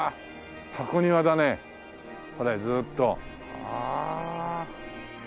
箱庭だねこれずっと。ああ。